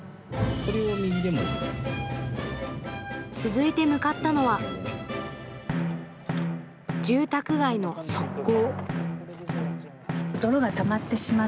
続いて向かったのは住宅街の側溝。